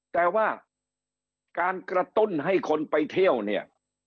แต่ว่าการกระตุ้นให้คนไปเที่ยวเนี่ย